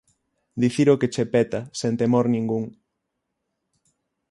_Dicir o que che peta, sen temor ningún.